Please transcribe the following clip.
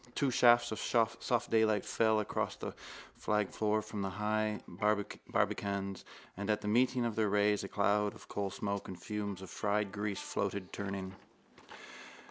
Two shafts of soft daylight fell across the flagged floor from the high barbacans: and at the meeting of their rays a cloud of coalsmoke and fumes of fried grease floated, turning.